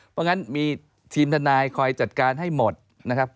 เพราะงั้นมีทีมทนายคอยจัดการให้หมดนะครับ